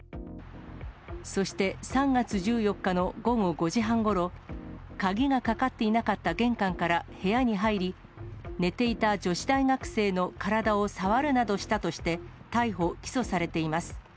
そして３月１４日の午後５時半ごろ、鍵がかかっていなかった玄関から部屋に入り、寝ていた女子大学生の体を触るなどしたとして、逮捕・起訴されています。